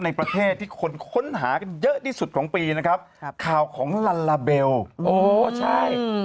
ในประเทศที่คนค้นหากันเยอะที่สุดของปีนะครับข่าวของลัลลาเบลโอ้ใช่